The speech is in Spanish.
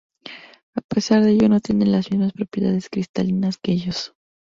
A pesar de ello no tiene las mismas propiedades cristalinas que ellos.